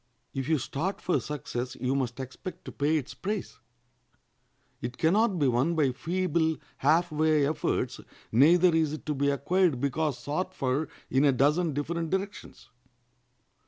If you start for success you must expect to pay its price. It can not be won by feeble, half way efforts, neither is it to be acquired because sought for in a dozen different directions.